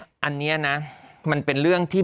อันนี้นะมันเป็นเรื่องที่